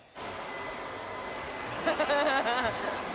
ハハハハ！